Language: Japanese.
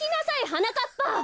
はなかっぱ！